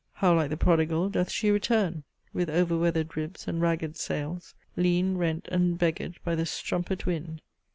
How like the prodigal doth she return, With over weather'd ribs and ragged sails, Lean, rent, and beggar'd by the strumpet wind!